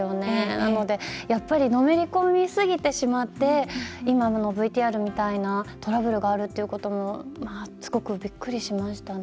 なのでのめり込みすぎてしまって今のＶＴＲみたいなトラブルがあるということすごくびっくりしましたね。